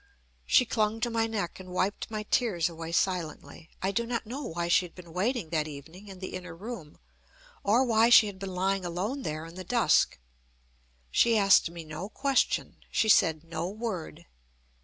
She clung to my neck, and wiped my tears away silently. I do not know why she had been waiting that evening in the inner room, or why she had been lying alone there in the dusk. She asked me no question. She said no word.